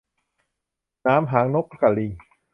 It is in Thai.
หนามหางนกกะลิง